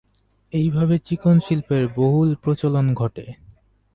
এইভাবে চিকন শিল্পের বহুল প্রচলন ঘটে।